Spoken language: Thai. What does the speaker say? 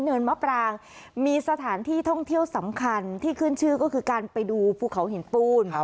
มะปรางมีสถานที่ท่องเที่ยวสำคัญที่ขึ้นชื่อก็คือการไปดูภูเขาหินปูน